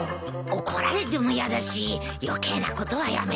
怒られてもやだし余計なことはやめておこう。